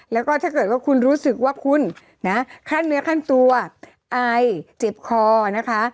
แล้วก็ถ้าเกิดว่าคุณรู้สึกว่าคุณนะขั้นเนื้อขั้นตัวอายเจ็บคอนะคะ